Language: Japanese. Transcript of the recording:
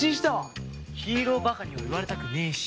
ヒーローバカには言われたくねえし！